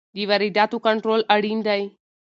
د وارداتو کنټرول اړین دی.